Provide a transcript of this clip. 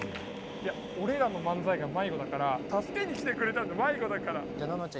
いや俺らの漫才が迷子だから助けに来てくれたんだよ